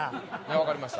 分かりました。